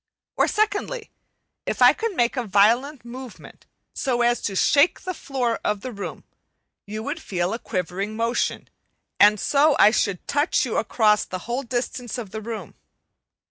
Or, secondly, if I could make a violent movement so as to shake the floor of the room, you would feel a quivering motion; and so I should touch you across the whole distance of the room.